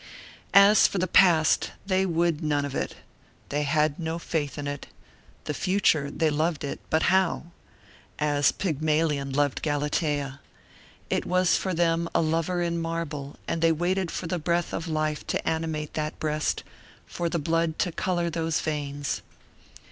As for the past, they would none of it, they had no faith in it; the future, they loved it, but how? As Pygmalion loved Galatea: it was for them a lover in marble and they waited for the breath of life to animate that breast, for the blood to color those veins.